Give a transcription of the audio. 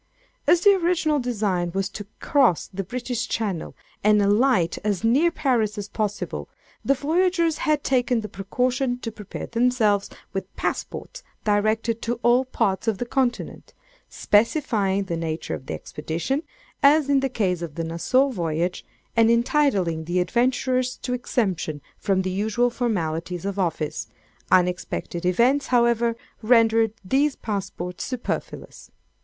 "As the original design was to cross the British Channel, and alight as near Paris as possible, the voyagers had taken the precaution to prepare themselves with passports directed to all parts of the Continent, specifying the nature of the expedition, as in the case of the Nassau voyage, and entitling the adventurers to exemption from the usual formalities of office: unexpected events, however, rendered these passports superfluous.